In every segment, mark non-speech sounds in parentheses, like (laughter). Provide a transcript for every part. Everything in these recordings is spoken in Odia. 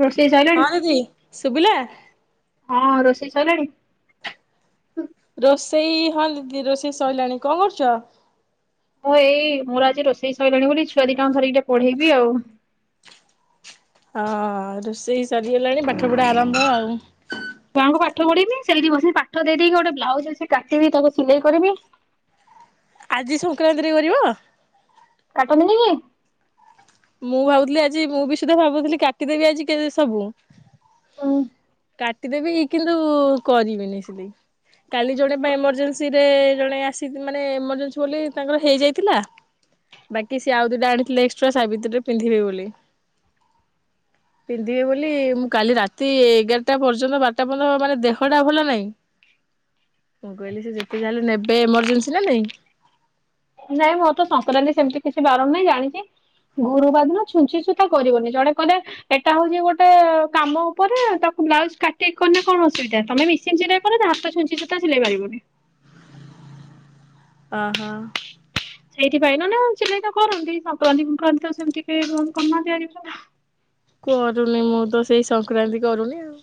ରୋଷେଇ ସଇଲାଣି? ହଁ ଦିଦି ଶୁଭିଲା? ହଁ ରୋଷେଇ ସଇଲାଣି। ରୋଷେଇ ହଁ ଦିଦି ରୋଷେଇ ସରିଲାଣି କଣ କରୁଛ? ମୁଁ ଏଇ ମୋର ଆଜି ରୋଷେଇ ସରିଲଣି ବୋଲି ଛୁଆ ଦି ଟା ଧରିକି ଟିକେ ପଢେଇବି ଆଉ। ହଁ ରୋଷେଇ ସରିଗଲାଣି ପାଠ ପଢା ଆରମ୍ଭ ଆଉ। ଛୁଆଙ୍କୁ ପାଠ ପଢିବି ସେଇଠି ବସି ପାଠ ଦେଇଦେଇକି ଗୋଟେ ବ୍ଲାଉଜ ଅଛି କାଟିବି ତାକୁ ସିଲେଇ କରିବି। ଆଜି ସଂକ୍ରାନ୍ତିରେ କରିବ। କାଟନ୍ତି ନିକ କି ମୁଁ ଭାବୁଥିଲି ଆଜି ମୁଁ ବି ସୁଧା ଭାବୁଥିଲି କାଟିଦେବି ଆଜି କେ ସବୁ କାଟିଦେବୀ କିନ୍ତୁ କରିବିନି ସିଲେଇ କାଲି ଜଣେ ବା ଏମର୍ଜେନ୍ସି ରେ ଜଣେ ଆସି ମାନେ ଏମରଜେନ୍ସି ବୋଲି ତାଙ୍କର ହେଇଯାଇଥିଲା ବାକି ସେ ଆଉ ଦିଟା ଆଣିଥିଲେ ଏକ୍ସଟ୍ରା ସାବିତ୍ରୀ ରେ ପିନ୍ଧିବେ ବୋଲି ପିନ୍ଧିବେ ବୋଲି ମୁ କାଲି ରାତି ଏଗାରଟା ପର୍ଯ୍ୟନ୍ତ ବାରଟା ପର୍ଯ୍ୟନ୍ତ ଦେହଟା ଭଲ ନହିଁ ମୁଁ କହିଲି ଯେତେ ଯାହା ହେଲେ ନେବେ ଏମାର୍ଜିନସ ନା ନାଇଁ ନାଇଁ ମୋର ତ ସଂକ୍ରାନ୍ତି ସେମିତି କିଛି ବାର ନାହିଁ ଜାଣିଛି ଗୁରୁବାର ଦିନ ଛୁଞ୍ଚି ସୂତା କରିବନି ଜଣେ କହଲେ ଏଟା ହଉଛି ଗୋଟେ କାମ ଉପରେ ତାକୁ ବ୍ଲାଉଜ କାଟିଲେ କଣ ଅସୁବିଧା ତମେ ମିସି ଚିରାଇ କ ହାତ ଛୁଞ୍ଚି ସୂତା ସିଲେଇ ପାରିବନି ଓ ହୋ। ସେଇଥିପାଇଁ ନ ନା ଚିଲେଇ ତ କରନ୍ତି ସଂକ୍ରାନ୍ତି ସଂକ୍ରାନ୍ତି ତ ସେମିତି କେ କର ତିଆରି କରୁନି ମୁଁ ତ ସେଇ ସଂକ୍ରକ୍ରାନ୍ତି କରୁନି ଆଉ।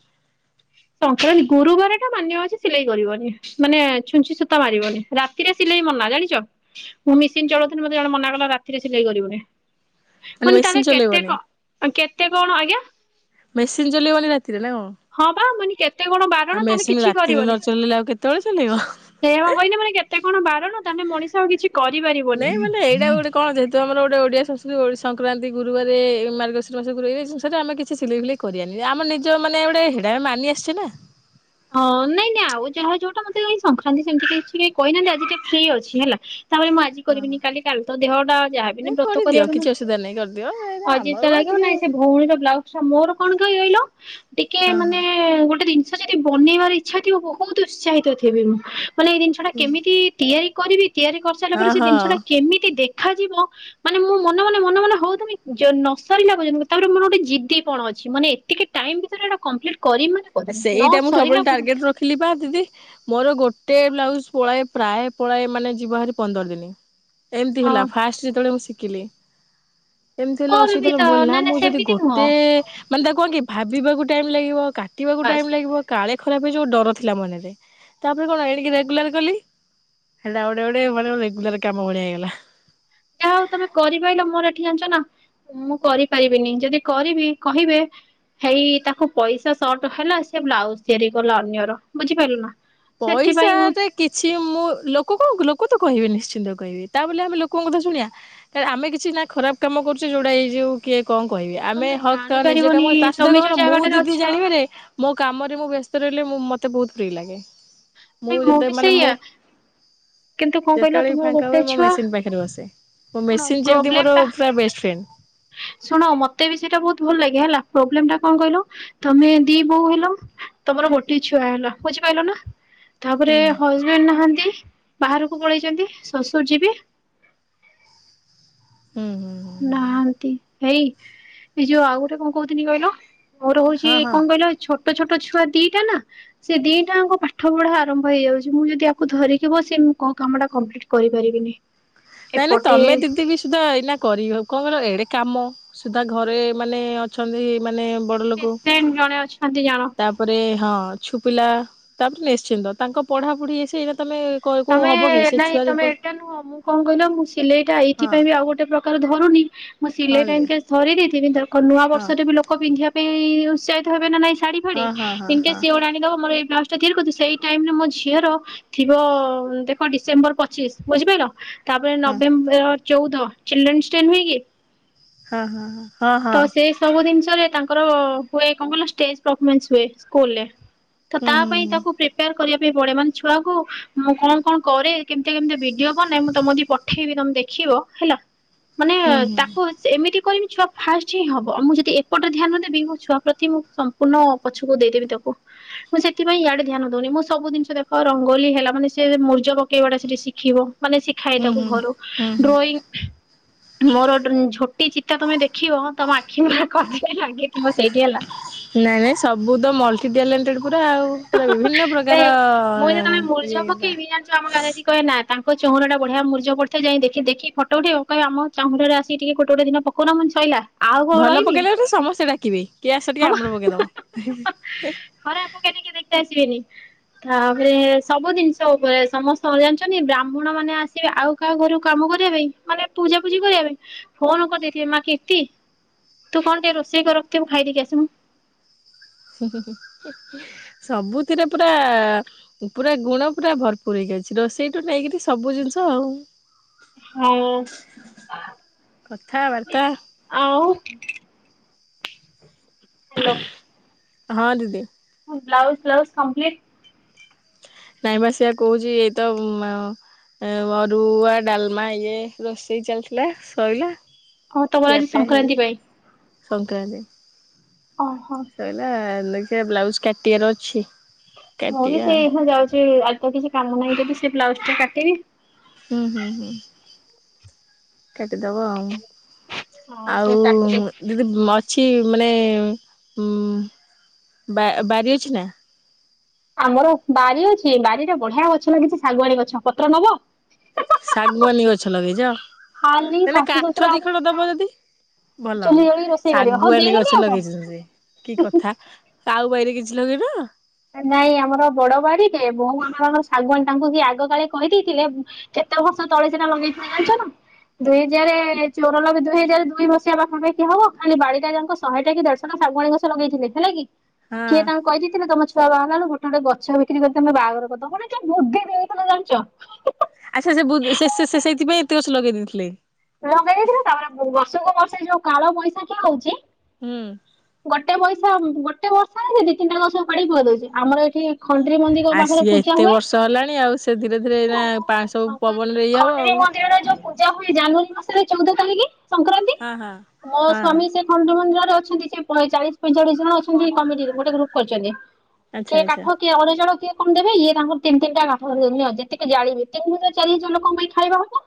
ସଂକ୍ରାନ୍ତି ଗୁରୁବାରଟା ମାନ୍ୟ ଅଛି ସିଲେଇ କରିବନି ମାନେ ଛୁଞ୍ଚି ସୂତା ମାରିବନି ରାତିରେ ସିଲେଇ ମନା ଜାଣିଛ ମୁଁ ମେସିନ ଚଳଉଥିଲି ମତେ ଜଣେ ମନା କଲା ରାତିରେ ସିଲେଇ କରିବୁନି। ମାନେ ମେସିନ୍ ତାରଲେ କେତେ ଚଲେଇବନି କଣ କେତେ କେତେ କଣ ଆଜ୍ଞା ମେସିନ୍ ଚଲେଇିବନି ରାତିରେ ନା କଣ ହଁ ମନି କେତ କେତେ କଣ ବାରଣ ଆଉ ତାହେଲେ ମେସିନ୍ କିଛି ରାତିରେ ନ କରିବନି ଚଲେଇଲେ ଆଉ କେତେବେଳେ ଚଲେଇବ? ସେୟା ବା କହିଲି ଏତେ କଣ ବାରଣ ନା ତାହେଲେ ମଣିଷ ଆଉ କିଛି କରିପାରିବନି ନାଇଁ ମାନ ଏଇଟା ଗୋଟେ କଣ ଯେହେତୁ ଆମରୋଟେ ଓଡିଆ ସଂସ୍କୃତି ଓ ସଂକ୍ରାନ୍ତି ଯ ଗୁରୁବାର ମାର୍ଗଶିରୀ ମାସକୁ ଆମେ କିଛି ସିଲେଇ ଫିଲେଇ କରାନି ଆମ ନିଜ ମାନେ ଗୋଟେ ହଡା ମାନି ଆସିଛଛି ନା। ହଁ ନାଇଁ ନାଇଁ ଆଉ ଯାହା ଯୋଉଟା ମତେ ଏ ସଂକ୍ରାନ୍ତି ସେମିତି କିଛି କହିନାହାନ୍ତି ଆଜିଟେ ଫ୍ରି ଅଛି ହେଲା ତାପରେ ମୁଁ ଆଜି ହଁ ହଁ କରିବିନି କାଲି କାଲି ତ ଦେହଟା ନାଇଁ ଯାହାବନି ବ୍ରତ କରିଦିଅ କରିବା ପାଇଁ ନା କିଛି ଅସୁବିଧା ନାହିଁ କରିଦିଅ ଏଇଟା ଅଜବ ଆମର ତ କଣ ଲାଗିବ ଟିକେ ନାଇଁ ସେ ଭଉଣୀର ବ୍ଲାଉଜ ଟା ମୋର କଣ କହି କହିଲ ଟିକେ ହଁ ହଁ ମାନେ ଗୋଟେ ଜିନ ମତେ ବନେଇବାର ଇଚ୍ଛା ଥିବ ବହୁତ ଉତ୍ସାହିତ ଥିବି ମୁଁ ମାନେ ଏଇ ଜିନିଷ ଟା କେମିତି ତିଆରି କରିବି ତିଆରି କରିସାରିଲା ହଁ ପରେ ସେ ହଁ। ଜିନିଷଟା କେମିତି ଦେଖ ଦେଖାଯିବ ମାନେ ମୁଁ ମନେ ମ ମନେ ମନେ ହଉ ତମେ ନ ସରିଲା ତାପରେ ମୋର ଗୋଟେ ଜିଦି କଣ ଅଛି ମାନେ ଏକେ ଟାଇମ ଭିତରେଟ କ୍ କରିମି ମନେ କରୀମି। ଏଇଟା ମୁଁ ସବୁବେଳେ ଟାର୍ଗେଟ ରଖିଲି ବା ଦିଦି ମୋର ଗୋଟେ ଗୋଟେ ବ୍ଲାଉଜ ପଳାଏ ପ୍ରାୟ ପଳାଏ ମାନେ ଯିବା ଭାରି ପନ୍ଦର ଦିନ ଏମିତି ହେଲା ହଁ ଫାଷ୍ଟ ଯେତେବେଳେ ମୁଁ ଶିଖି କିଲ ଏମିତି ହେଲେ ମୋର ଅସୁବିଧା ବି ହେଲା ତ ମୁଁ କହିଲି ନା ମୁଁ ଯଦି ସେମିତି ନୁହଁ ଗୋଟେ ମାନେ ତା କ ଆ କି ଭାବିବାକୁ ଟାଇମ ଲାଗିବ କା କାଟିବାକୁ ବାସ୍ ଟାଇମ୍ ଲାଗିବ କାଳେ ଖରାପ ହେଇଯିବ ଡର ଥିଲା ମନରେ ତାପରେ କଣ ଏଣିକ ରେଗୁଲାର ଗଲି ହେଲେ ଆଉ ଗୋଟେ ଆଉ ଗୋଟେ ମାନେ ରେଗୁଲର କାମଭଳିଆ ହେଇଗଲା। ଯାହା ହଉ ତମେ କରିପାଇଲ ମୋର ଏଠି ଜାଣିଛ ନା ମୁଁ କରିପାରିବିନି ଯଦି କରିବି କହିବେ ହେଇ ତାକୁ ପଇସା ସର୍ଟ ହେଲା ସେ ବ୍ଲାଉଜ ତିଆରି କଲା ଅନ୍ୟର ବୁଝିପାରିଲ ନା। ସେଥିପାଇଁ ମୁଁ ପଇସାରେ କିଛି ମୁଁ ଲୋକ କଣ ଲୋକ ତ କହିବେ ନିଶ୍ଚିନ୍ତ। କହିବି ତା ବୋଲି ଆମେ ଲୋକଙ୍କ କଥା ଶୁଣବା ଆମେ କିଛି ନା ଖରାପ କାମ କରୁଛେ ଯୋଡା ଏଇଯଉ କିଏ କଣ କହିବି ଆମେ ତମେ ହକ୍ ନିଜେ ଜାଣିପାରିବନି କାମ ତା ସହିତ ତମେ କଣ ଯୋଉ କହନା ମୁଁ ଜାଗାଟାରେ ଅଛ ଦିଦି ଜାଣିବାରେ ମୋ କାମରେ ମୁଁ ବ ବ୍ୟସ୍ତ ରହିଲେ ମୁଁ ମୋତେ ବହୁତ ପ୍ରି ଲାଗେ। ମୁଁ ନାଇଁ ଯେତେ ବି ମାନେ ମୁଁ ସେଇଆ କିନ୍ତୁ କଣ କହିଲ ଯେତେବେଳେ ବି ତୁମର ଫାଙ୍କା ଗୋଟେ ହୁଏ ମୋ ଛୁଆ ମେସିନ ପାଖରେ ବସେ। ମୋ ଶୁଣ ମେସିନ ଯେମିତି ପ୍ରୋବ୍ଲେମ ମୋର ଟା ପୁରା ବେଷ୍ଟ ଫ୍ରେଣ୍ଡ ଶୁଣ ମତେ ବି ସେଇଟା ବହୁତ ଭଲ ଲାଗେ ହେଲା ପ୍ରୋବ୍ଲେ ଟା କଣ କହିଲୁ ତମେ ଦି ବୋଉ ହେଲ ତମର ଗୋଟେ ଛୁଆ ହେଲ ବୁଝିପାଇଲ ନା। ତାପରେ ହୁଁ ହଜବେଣ୍ଡ ନାହାନ୍ତି। ବାହାରକୁ ପଳେଇଛନ୍ତି ଶ୍ୱଶୁର ଯିବେ। ହୁଁ ହୁଁ ହୁଁ ହୁଁ ନାହାନ୍ତି। ହେଇ ଏ ଯୋଉ ଆଉ ଗୋଟେ କଣ କହୁଥିଲି କହିଲ। ମୋର ହଉଛି ହଁ ହଁ। କଣ କହିଲ ଛୋ ଛୋଟ ଛୋଟ ଛୁଆ ଦିଟା ନା ସେ ଦିଟା ଆଙ୍କ ପାଠ ପଢା ଆରମ୍ଭ ହେଇଯାଉଛି ମୁଁ ଯଦି ଆକୁ ଧରିକି ବସିବି ମୁଁ କୋଉ କାମ ଟା କମ୍ପ୍ଲିଟ କରିପାରିବିନି। ନାଇଁ ନାଇଁ ଏପଟେ ତମେ ଦିଦି ବି ସୁଦ୍ଧା ଏଇନା କରିବ କଣ ଏଡ଼େ କାମ ସୁଧା ଘରେ ମାନେ ଅଛନ୍ତି ମାନେ। ବଡ ଲୋକ ପେସେଣ୍ଟ ଜଣେ ଅଛନ୍ତି ଜାଣ ତାପରେ ହଁଛ ପିଲା ତାପରେ ନିଶ୍ଚିନ୍ତ ତାଙ୍କ ପଢାପଢି ଅଛି ତମେ ନାଇଁ ତମେ ଏଟା ନୁହଁ ମୁଁ କଣ କହିଲ ମୁଁ ସିଲେଇଟା ହଁ ଏଇଥିପାଇ ବି ଆଉ ଗୋଟେ ପ୍ରକାର ଧରୁନି। ମୁଁ ହଁ ସିଲେଇ ଟା ଦିଦି ଏମିତିଆ ଧରି ଦେଇଥିଲି ଦେଖ ନୂଆ ହଁ ବର୍ଷରେ ବି ଲୋକ ପିନ୍ଧିବା ପାଇଁ ଉତ୍ସାହିତ ହେବେ ନା ନାଇ ଶାଢୀ ଫାଡି ହଁ ହଁ ଏମତିଆ ହଁ ସିଅଣ ଆଣିଦେବ ମୋର ବ୍ଲାଉଜଟା ତିଆରି କରୁଥିବୁ ସେଇ ଟାଇମ ରେ ମୋ ଝିଅର ଥିବ ଦେଖ ଡିସେମ୍ବର ପଚିଶ ବୁଝିପାଇଲ। ତାପରେ ହଁ ହଁ ନଭେମ୍ବର ଚଉଦ ଚିଲ୍ଡ୍ରେନ୍ସ ଡେ ନୁହେଁ କି? ହଁ ହଁ ହଁ ହଁ ତ ହଁ। ସେ ସବୁ ତାଙ୍କର ହୁଏ କଣ କହିଲ ଷ୍ଟେଜ ପଫମାନ୍ସ ହୁଏ ସ୍କୁଲ। ତ ହୁଁ ତା ପାଇଁ ତାକୁ ହୁଁ ପ୍ରିପାର କରିବା ପାଇଁ ପଡେ ମାନେ ଛୁଆକୁ ମୁଁ କଣ କଣ କରେ କେମିତି କେମିତି ଭିଡିଓ ବନାଏ ମୁଁ ତମ କତିକି ପଠେଇବି ତମେ ଦେଖିବ ହେଲା। ମାନେ ହୁଁ ହୁଁ ତାକୁ ଏମିତି। କହିମି ଛୁଆ ଫାଷ୍ଟ ହିଁ ହବ ମୁଁ ଯଦି ଏପଟେ ଧ୍ୟାନ ଦେବି ମୋ ଛୁଆ ପ୍ରତି ମୁଁ ସମ୍ପୂର୍ଣ୍ଣ ପଛକୁ ଦେଇଦେବି ତାକୁ ମୁଁ ସେଥିପାଇଁ ଇଆଡେ ଧ୍ୟାନ ଦଉନି ମୁଁ ସବୁ ଜିନିଷ ଦେଖ ରଙ୍ଗୋଲି ହେଲା ମାନେ। ସେ ମୂର୍ଜ ପକେଇବାଟା ସେଠି ଶିଖିବ। ମାନେ ଶିଖାଏ ହୁଁ ତାକୁ ହୁଁ ଘରୁ ହୁଁ ହୁଁ ଡ୍ରଇଂ। ମୋର ଝୋଟି ଚିତା ତମେ ଦେଖିବ ତମ ଆଖି ପୁରା ଖସି ଲାଗିଥିବ ସେଇଠି ହେଲା। ନାଇଁ ନାଇଁ ସବୁ ତ ମଲ୍ଟି ଟ୍ୟାଲେଣ୍ଟେଡ ପୁରା ଆଉ ପୁରା ବିଭିନ୍ନ ସେ ପ୍ରକାର ମୁଁ ଯେତେବେଳେ ଇଏ ମୁର୍ଜ ପୁରା। ପକେଇବି ଜାଣିଛୁ ଆମ ଗାଁରେ ଆସି କହେ ନା ତାଙ୍କ ଚଉରାଟା ବଢିଆ ମୁର୍ଜ ପଡ଼ିଥିଲା ଯାଇ ଦେଖି ଦେଖି ଫଟ ଉଠେଇବ। କହବି ଆମ ଚଉଁରାରେ ଆସିକି ଗୋଟେ ଗୋଟେ ଦିନ ପକଉନା ମୁଁ କାଇବି ସଇଲା। ଆଉ କଣ ଭଲ ରହିବି ପକେଇଲାଠୁ ସମସ୍ତେ ଡାକିବେ, କିଏ ଆସ ଟିକେ ହମ ଆମର ପକେଇଦବ। ଖେ ଆସିବେନି। ତାପରେ ସବୁ ଜିନିଷ ଉପରେ ସମସ୍ତେ ଜାଣିଛନ୍ତି ବ୍ରାହ୍ମଣ ମାନେ ଆସିବେ ଆଉ କାହା ଘରକୁ କାମ କରିବା ପାଇଁ ମାନେ ପୂଜାପୂଜି କରିବା ପାଇଁ ଫୋନ କରିଦେଇଥିବେ ମା କୀର୍ତ୍ତି ତୁ କଣ ଟିକେ ରୋଷେଇ କରିରଖଥିବୁ ଖାଇଦେଇକି ଆସିମୁଁ। ସବୁଥିରେ ପୁରା--ପୁରା ଗୁଣ ପୁରା ଭରପୁର ହେଇଯାଇଛି ରୋଷେଇଠୁ ନେଇକରି ସବୁ ଜିନିଷ ଆଉ। ହଁ କଥାବାର୍ତ୍ତା ଆଉ। ହ୍ୟାଲୋ। ହଁ ଦିଦି। Blouse ଫ୍ଲାଉଜ complete? ନାଇଁ ମା ସେଆ କହୁଛି ଏଇତ ଅରୁ--ଆ ଡାଲମା ଇଏ ରୋଷେଇ ଚାଲିଥିଲା ସଇଲା। ହଁ ତମର ଆଜି ସଂକ୍ରାନ୍ତି ପାଇଁ। କରେ। ଓହୋ ସାଇଲା ଲୋ ସେୟା। ବ୍ଲାଉଜ କାଟିବାର ଅଛି। ମୁଁ ବି କାଟିବା ଆଉ ସେଇ ଏଇଖାଁ ଯାଉଛି ଆଜି କିଛି କାମ ନାହିଁ ଯଦି ସେ ବ୍ଲାଉଜ ଟା କାଟିବି ତ ହୁଁ ହୁଁ ହୁଁ କେଟ ଦବ ଆଉ। ହଁ ଆଉ ସେ କାଟିକି ଦିଦି ମଅଛି। କି ମାନେ ବାରି ଅଛି ନା? ଆମର ବାରି ଅଛି ବାରିରେ ବଢିଆ ଗଛ ଲାଗିଛି ଶାଗୁଆଣି ଗଛ ପତ୍ର ନବ? ଶାଗୁଆନୀ ଗଛ ଲଗେଇଛ। ଖାଲି ତମେ ଶାଶୁ ଶ୍ୱଶୁର କାଠ ଦି ଆଉ ଖଣ୍ଡ ଦବ ଯଦି ଭଲ ଚୁଲି ହବ। ଜଳିକି ରୋଷେଇ କରିବ ହଉ ଶାଗୁଆନୀ ଦେଇଦେବି ଗଛ ଆଉ କଣ ଲଗେଇଛନ୍ତି ସେ କି କଥା ଆଉ ବାଡିରେ କିଛି କିଛି ଲଗେଇନ ନାଇଁ ଆମର ବଡ ବାଡିଟେ। ବୋଉ ଆମର ଶାଗୁଆନି ତାଙ୍କୁ କିଏ ଆଗ କାଳେ କହିଦେଇଥିଲେ କେତେ ବର୍ଷ ତଲେ ସେଟା ଲଗେଇଥିଲେ ଜାଣିଛନା। ଦୁଇ ହଜାର ଚୋରାଲବେ ଦୁଇ ହଜାର ଦୁଇ ମସିଆ ପାଖାପାଖି ହବ ଖାଲି ବାଡିଟା ଯାକ ଶହେ ଟା କି ଦେଢଶ ଟା ଶାଗୁଆଣି ଗଛ ଲଗେଇଥିବେ ହେଲା କି? ହଁ କିଏ ତାଙ୍କୁ କହିଦେଇଥିଲେ ତମ ଛୁ ଛୁଆ ବା ହେଲା ବେଳୁକୁ ଗୋଟେ ଗୋଟ ଗଛ ବିକ୍ରି କରି ତମେ ବାହାଘର କର୍ଦବ। କିଏ ଏ ବୁଦ୍ଧି ଦେଇଇଥିଲା ଜାଣିଛ ଆଚ୍ଛା ସେ ବୁଦ୍। ସେ ସେ ସେ ସେଇଥିପାଇଁ ଏତେ ବର୍ଷ ଲଗେଇ ଦେଇଥିଲେ। ଲଗେଇ ଦେଇଥିଲୁ ତାପରେ ବର୍ଷକୁ ବର୍ଷେ ଯୋଉ କାଳ ବୈଶାଖୀ ହଉଛି। ହୁଁ ଗୋଟେ ପଇସା ଗୋଟେ ବର୍ଷା ହେଲେ ଦି ତିନିଟା ଗଛ ଉପଡ଼ିକି ଥୋଇ ଦଉଛି ଆମର ଏଇଠି ଖଣ୍ଣ୍ଡରୀ ମନ୍ଦିର ଆଉ ପାଖରେ ସିଏ ପୂଜା ଏତେ ହୁଏ, ବର୍ଷ ହେଲାଣି ଆଉ ସେ ଧୀରେ ଧୀରେ ଏଇନା ପା ସବୁ ପବନରେ ଇଏ ହବ ଖନ୍ଦ୍ରି ଆଉ ମନ୍ଦିରରେ ଯୋଉ ପୂଜା ହୁଏ ଜାନୁଆରୀ ମାସରେ ଚୋଉଦ ତାରିକି ସଂକ୍ରାନ୍ତି ହଁ ହଁ ମୋ ହଁ ହଁ ସ୍ଵାମୀ ସେ ଖଣ୍ଡୁମନ୍ଦିର ର ଅଛନ୍ତି ଟେ ପରେ ଚାଳିଶ ପଇଁଚାଳିଶ ଜଣ ଅଛନ୍ତି କମିଟିରୁ ଗୋଟେ ଗ୍ରୁପ ଖୋଲିଚନ୍ତି। ଆଚ୍ଛା କିଏ କାଠ ଆଚ୍ଛା କିଏ ଅନ୍ୟଜଣ କିଏ କଣ ଦେବେ ଇଏ ତାଙ୍କର ତିନ ତିିନଟା ବାପଘରୁ ଯାଇଥିଲେ ଅ ଯେତିକି ଜାଳିବେ ତିନି ହଜାର ଚାରି ହଜାର ଲୋକଙ୍କ ପାଇଁ ଖାଇବା ହବ।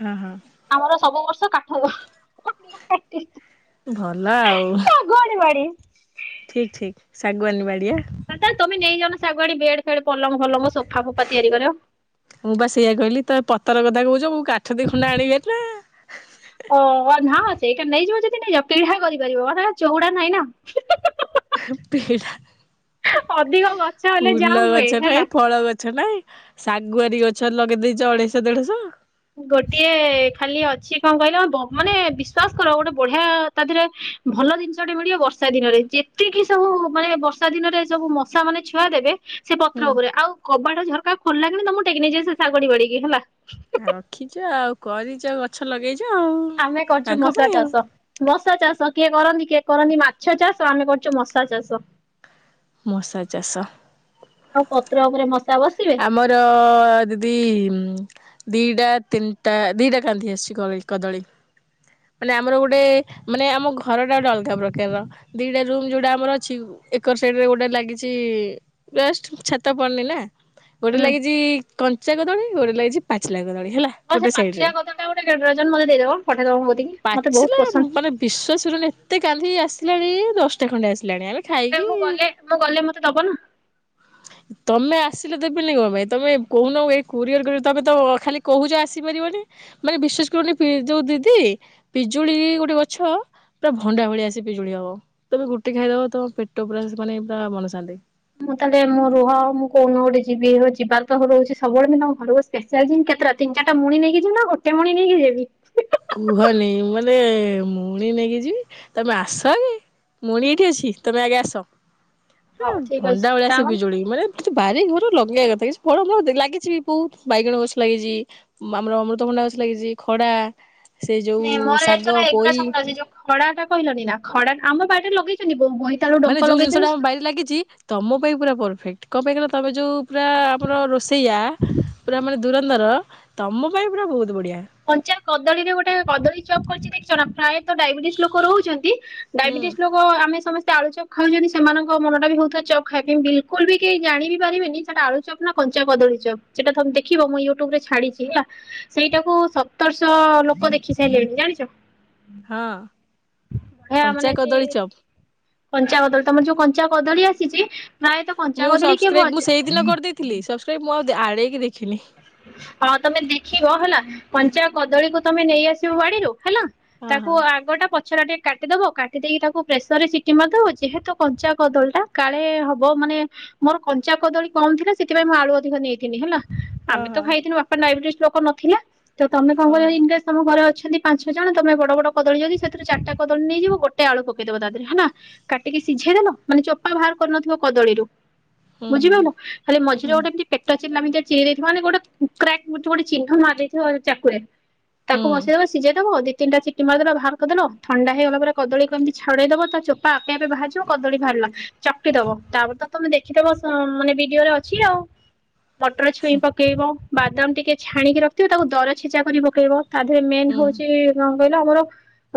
ହଁ ହଁ ଆମର ସବୁ ବର୍ ତ କାଠ ଭଲ ଆଉ କୁଆଡ଼େ ଠିକ୍ ଠିକ୍। ଶାଗୁଆାନୀ ବାଡ଼ିଆ ଦାଦା ତମେ ନେଇଯାଉନ ଶାଗୁଆଣି ବେଡ୍ ଫେଡ଼଼୍ ପଲମ ଫଲମ ସୋଫା ଫୋଫା ତିଆରି କରିଅ ତା କୋଉଚ ମୁଁ କାଠ ଦି ଖୁଣ୍ଡି ଆଣିବି ହାରି ନାଁ। ଓ ନା ସେଇଟା ନେଇଯିବ ଯଦି ନେଇଯାଅ ପିଢା କରିପାରିବ ଆ ହେଟା ଚୋଉଡା ନାହିଁ ନାଁ। ପିଢା ଅଧିକ ଗଛ ହେଲେ ଯାହା ହୁଏ ହେଲା ଶାଗୁଆରୀ ଗଛ ଲଗେଇ ଦେଇଚ ଅଢେଇଶହଳ ଦେଢଶ ସିଏ କଣ କହିଲ ବ ମାନେ ବିଶ୍ଵାସ କର ଗୋଟେ ବଢ଼ିଆ ତା ଧେରେ ଭଲ ଜିନିଷଟେ ମିଳିବ ବର୍ଷା ଦିନରେ। ଯେତିକି ସବୁ ମାନେ ବର୍ଷା ଦିନରେ ସବୁ ମଶାମାନେ ଛୁଆ ଦେବେ ସେ ହୁଁ ପତ୍ର ଉପରେ ଆଉ କବାଟ ଝର କା ଖୋଲିଲା କ୍ଷିଣି ତମୁକୁ ଟେକି ନେଇଯିବେ ଶାଗୁଆଣୀ ବାଡିକି ହେଲା। ହାର ଦେଖିଚ ଆଉ କରିଚ ଗଛ ଲଗେଇ ଆମେ କରୁ୍ଚୁ ମଶା ଚାଷ ମଶା ଚାଷ। କିଏ କରନ୍ତି କିଏ କରନ୍ତି ମାଛ ଚାଷ ଆମେ କରଚୁ ମଶା ଚାଷ। ମଶା ଚାଷ ଆଉ ପତ୍ର ଉପରେ ମଶା ବସିବେ ଆମର ଦିଦି ଉଁ ଦିଟା ତିନିଟା ଦିଟା କାନ୍ଧି ଆସିଚି କଳୀ କଦଳୀ। ମାନେ ଆମର ଗୋଟେ ମାନେ ଆମ ଘରଟା ଗୋଟେ ଅଲଗା ପ୍ରକାରର ଦିଟା ରୁମ ଯୋଉଟା ଆମର ଅଛି ଏକର ସାଇଡରେ ଗୋଟେ ଲାଗିଚି ଛାତ ଜଷ୍ଟ ଛାତ ପଡ଼ନି ନାଁ ଗୋଟେ ହୁଁ। ଲାଗିଚି କଞ୍ଚା କଦଳୀ ଗୋଟେ ଲାଗିଚି ପାଚିଲା କଦଳୀ। ହେଲା ହଁ ସେ ଗୋଟେ ସାଇଡ ପାଚିଲା ରେ କଦଳୀଟା ଗୋଟେ କେ ଡରଜନ ମତେ ଦେଇଦବ ପଠେଇଦବ ମୋ କତିକି। ମତେ ପାଚିଲା ବୋହୁତ ପସନ୍ଦ। ଲେଣି ଦଶଟା ଖଣ୍ଡେ ଆସିଲାଣି ଆମେ ଏ ଖାଇକି ମୁଁ ଗଲେ ମୁଁ ଗଲେ ମତେ ଦବ ନାଁ? ତମେ ଆସିଲେ ଦେବିନି କଣ ପାଇଁ ତମେ କହୁନ ଏ କୋରିଅର ତମେ ତ ଖାଲି କହୁଛ ଆସିପାରିବନି ମାନେ ବିଶ୍ୱାସ କରନି ଯୋଉ ଦିଦି ପିଜୁଳି ଗୋଟେ ଗଛ ପୁରା ଭଣ୍ଡା ଭଳିଆ ସିଏ ପିଜୁଳି ହବ ତମେ ଗୋଟେ ଖାଇଦବ ତମ ପେଟ ପୁରା ମାନେ ପୁରା ମନଶାନ୍ତି ମୁଁ ତାହେଲେ ମୋ ରୁହ ମୁଁ କୋଉ ଦିନ ଗୋଟେ ଯିବି ରୁହ ଯିବା ତ କହୁଚି ସବୁବେଳେ ମୁଁ ତମ ଘରକୁ ସ୍ପେଶାଲ୍ ଜିବି କେତେଟା ତିନ ଚାରିଟା ମୁଣି ନେଇକି ଯିବି ନା ଗୋଟେ ମୁଣି ନେଇକି ଯିବି କୁହନି ମାନେ ମୁୁଣି ନେଇକି ଯିବି ତମେ ଆସ ଆଗେ ମୁଣି ଏଇଠି ଅଛି ତମେ ଆଗେ ଆସ ହୁଁ ହଉ ଠିକ ଅଛି ଭଣ୍ଡା ଭଳିଆ ସେ ତାମାନେ ପିଜୁଳିି ମାନେ କିନ୍ତୁ ବାରି ଘର ଲଗେଇବା କଥା କିଛି ଫଳ ମୂଳ ଲାଗିଛି ବି ବହୁତ ବାଇଗଣ ଗଛ ଲାଗିଛି ଆମର ଅମୃତଭଣ୍ଡା ଗଛ ଲାଗିଛି ଖଡା ସେ ଯୋଉ ନାଇଁ ମୋର ଜାଣିଚ ଶାଗ ନା ପୋଇ ଏଗୁଡା ସବୁ ଅଛି ଯୋଉ ଖଡା ଟା କହିଲନି ନା ଖଡା ଟା ଆମ ବାଡି ରେ ଲଗେଇଛନ୍ତି। ବୋଇତାଳୁ ମାନେ ଡଙ୍କ ଯୋଉ ଜିନିଷ ଟା ଲଗେଇଛନ୍ତି। ଆମ ବାଇ ରେ ଲାଗିଛି ତମ ପାଇଁ ପୁରା ପରଫେକ୍ଟ କଣ ପାଇଁ କହିଲ ତମେ ଯେଉଁ ପୁରା ଆମର ରୋଷେଇଆ ପୁରା ମାନେ ଧୁରନ୍ଧର ତମ ପାଇଁ ପୁରା ବହୁତ ବଢ଼ିଆ କଞ୍ଚା କଦଳୀରେ ଗୋଟେ କଦଳୀ ଚପ୍ କରିଛି ଦେଖିଚ ନା ଫ୍ରାଏ ଡାଇବେଟିସ୍ ଲୋକ ରହୁଛନ୍ତି ହୁଁ ଡାଇବେଟିସ୍ ଲୋକ ଆମେ ସମସ୍ତେ ଆଳୁ ଚପ ଖାଉଛନ୍ତି ସେମାନଙ୍କ ମନ ଟା ବି ହଉଥିବା ଚପ୍ ଖାଇବା ପାଇଁ ବିଲକୁଲ ବି କେହି ଜାଣି ବି ପାରିବେନି ସେଇଟା ଆଳୁ ଚପ ନା କଞ୍ଚା କଦଳୀ ଚପ୍ ସେଟା ତମେ ଦେଖିବ ମୁଁ ୟୁଟ୍ୟୁବ ରେ ଛାଡିଛି ହେଲା ସେଇଟା ସତରଶହ ଲୋକ ଦେଖି ସାରିଲେଣି ଜାଣିଛ ହଁ ବଢିଆ କଞ୍ଚା ମାନେ ସେ କଦଳୀ ଚପ୍ କଞ୍ଚା କଦଳୀ ତମର ଯୋଉ କଞ୍ଚା କଦଳୀ ଆସିଛି। ପ୍ରାୟତଃ କଞ୍ଚା ମୁଁ କଦଳୀ କିଏ ସବସ୍କ୍ରାଇବ ଭଜା ମୁଁ ସେଇଦିନ କରିଦେଇଥିଲି ସବସ୍କ୍ରାଇବ ମୁଁ ଆଉ ଆଡ଼େଇକି ଦେଖିନି ହଁ ତମେ ଦେଖିବ ହେଲା। କଞ୍ଚା କଦଳୀକୁୁ ତମେ ନେଇ ଆସିବ ବାଡିରୁ ହେଲା ହଁ ତାକୁ ହଁ ଆଗଟା ପ ପଛ ଟା ଟିକେ କାଟିଦବ କାଟିଦେଇକି ତାକୁ ପ୍ରେସର ରେ ସିଟି ମାରିଦବ ଯେହେତୁ କଞ୍ଚା କଦଳୀ ଟା କାଳେ ହବ ମାନେ ମୋର କଞ୍ଚା କଦଳୀ କମ ଥିଲା ସେଥିପାଇଁ ମୁଁ ଆଳୁ ଅଧିକ ନେଇଥିଲି ହେଲା। ଆମେ ତ ହଁ ଖାଇଥିଲୁ ବାପା ଡାଇଲିସିସ୍ ଲୋକ ନଥିଲା। ହଁ ହଁ (unintelligible) ଯଦି ପାଞ୍ଚ ଛ ଜଣ ତମେ ବଡ ବଡ କଦଳୀ ଯଦି ସେଥିରୁ ଚାରିଟା କଦଳୀ ନେଇଯିବ ଗୋଟେ ଆଳୁ ପକେଇଦବ ତା ଦେହରେ ହେଲା କାଟିକି ସିଝେଇଦେଲ ମାନେ ଚୋପା ବାହାର କରିନଥିବ କଦଳୀରୁ ହୁଁ ହୁଁ ହୁଁ (unintelligible) (unintelligible) ମାନେ ଗୋଟେ କ୍ରାକ୍ ଗୋଟେ ଚିହ୍ନ ମାରି ଦେଇଥିବ ଚାକୁରେ ତାକୁ ହୁଁ ବସେଇଦବ ସିଝେଇଦବ ଅଧିକ ତିନିଟା ସିଟି ମାରିଦେଲ ବାହାର କରିଦେବ ଥଣ୍ଡା ହେଇଗଲା ପରେ କଦଳୀକୁ ଏମିତି ଛଡେଇଦବ ତା ଚୋପା ଆପେ ଆପେ ବାହାରଯିବ କଦଳୀ ବାହାରିଲା ଚାପି ଦବ ତାପରେ ତ ତମେ ଦେଖିଦବ ମାନେ ଭିଡିଓ ଭିଡିଓରେ ଅଛି ଆଉ ମଟର ଛୁଇଁ ପକ୍ ଆଉ ବାଦାମ ଟିକେ ଛାଣିକି ରଖିଥିବ ତାକୁ ଦର ଛେଚା କରି ପକେଇବ ତା ଦେହରେ ମେନ୍ ହୁଁ ହଉଛି। କହିଲ ଆମର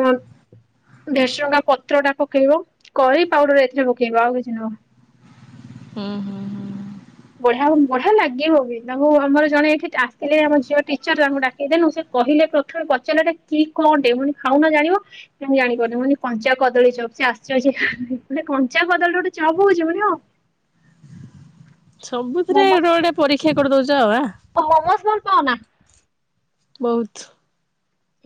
ଭେରସୁଙ୍ଗା ପତ୍ର ଟା ପକେଇବ କରି ପାଉଡର ଏଥିରେ ପକେଇବ ଆଉ କିଛି ନୁହଁ। ହୁଁ ହୁଁ ହୁଁ ବଢିଆ ବଢିଆ ଲାଗିବ ବି ତାଙ୍କୁ ଆମର ଜଣେ ଏଠି ଆସିଥିଲେ ଆମ ଝିଅ ଟିଚର ତାଙ୍କୁ ଡାକିଦେନୁ ସେ କହିଲେ ପ୍ରଥମେ ପଚାରିଲାଟା କି କଣ ଟେ ମନେ ଖାଉନ ଜାଣିବ ମୁଁ ଜାଣିପାରୁନି ମୁଁ କହିଲି କଞ୍ଚା କଦଳୀ ଚପ୍ ସେ ଆଚର୍ଯ୍ୟ ହେଲେ କଞ୍ଚା କଦଳୀରେ ଗୋଟେ ଚପ୍ ହଉଛି ମୁଁ କହିଲି ହଁ। ସବୁଥିରେ ଗୋଟେ ମୋମୋସ୍ ଗୋଟେ ପରୀକ୍ଷା କରିଦଉଛ ଆଉ ଆଁ। ଖାଅନା? ବହୁତ।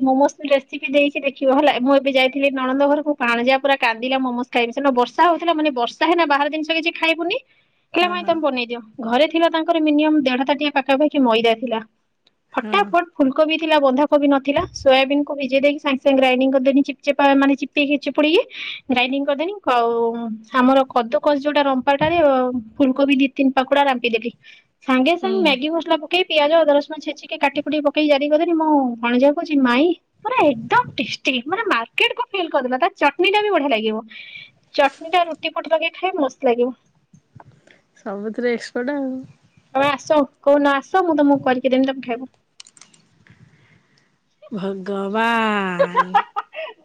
ମୋମୋଜର ରେସିପି ଦେଇଛି ଦେଖିବ ହେଲା ମୁଁ ଏବେ ଯାଇଥିଲି ନଣନ୍ଦ ଘରକୁ ଭଣଯା ପୁରା କାନ୍ଦିଲା ମୋମୋଜ ଖାଇବି ସେ ଦିନ ବର୍ଷା ହଉଥିଲା ମାନେ ବର୍ଷା ହେନା ବାହାର ଜିନିଷ କିଛି ଖାଇବୁନି ହେଲେ ହଁ ମାଇଁ ହଁ ତମେ ବନେଇଦିଅ। ଘରେ ଥିଲା ତାଙ୍କର ମିନିମମ୍ ଦେଢ଼ ତାଟିଆ ପାଖାପାଖି ମଇଦା ଥିଲା। ଫଟା ଫଟ ଫୁଲକୋବି ନଥିଲା ବନ୍ଧାକୋବିି ନ ଥିଲା ସୋୟାବିନ କୁ ଭିଜେଇ ଦେଇକି ସାଙ୍ଗେ ସାଙ୍ଗେ ଗ୍ରାଇଡିଙ୍ଗ୍ କରିଦେନି ଚିପଚାପା ମାନେ ଚିପିକିି ଚିପୁଡିକି ଗ୍ରାଇଣ୍ଡିଙ୍ଗ୍ କରିଦେନି ଆଉ ଆମର କଦୁକସ ଯୋଉଟା ରମ୍ପାଟାରେ ଫୁଲକୋବି ଦି ତିନି ପାଖୁଡା ରମ୍ପିଦେଲି ସଙ୍ଗେ ସାଙ୍ଗେ ହଁ ମ୍ୟାଗି ମସଲା ପକେଇ ପିଆଜ ଅଦା ରସୁ ଛେଚିକି କାଟି କୁୁଟିକି ପକେଇ ଯା ମୋ ଭଣଯାକୁ କହୁଛି ମାଇଁ ପୁରା ଏକ୍ଦମ୍ ଟେଷ୍ଟି ମାନେ ମାର୍କେଟ କୁ ଫେଲ୍ କରିଦେଲ ତା ଚଟିନ୍ ଟା ବି ବଢିଆ ଲାଗିବ ଚଟିନ୍ ଟା ରୁଟି ଫୁଟି ଲଗେଇଲି ଖାଇବ ମସ୍ତ ଲାଗିବ। ସବୁଥିରେ ଏକ୍ସପର୍ଟ ଆଉ। ତମେ ଆସ କୋଉ ଦିନ ଆସ ମୁଁ ତମକୁ କରିକି ଦେମି ତମେ ଖାଇବ। ଭାଗ ଭଗବାନ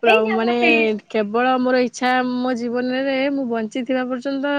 ପୁରା ନେଇଯା ମାନେ ମତେ କେବଳ ମୋର ଏ ଆଛା ମୋ ଜୀବନରେ ମୁଁ ବଞ୍ଚିଥିବା ପର୍ଯ୍ୟନ୍ତ